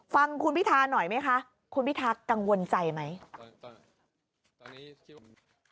ฟังคุณพิทาหน่อยไหมคะคุณพิทักษ์กังวลใจไหม